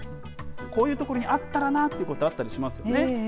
こういう所にあったらなっていうこと、あったりしますよね。